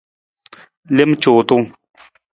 Lem cuutung.